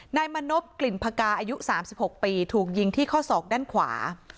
นายมณพกลิ่นพกาอายุ๓๖ปีถูกยิงที่ข้อศอกด้านขวา